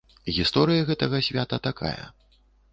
Гісторыя гэтага свята такая.